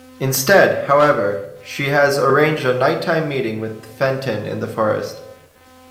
Instead, however, she has arranged a nighttime meeting with Fenton in the forest.